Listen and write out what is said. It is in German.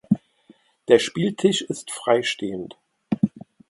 Der Spieltisch ist freistehend.